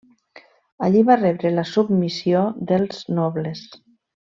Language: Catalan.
Allí va rebre la submissió dels nobles.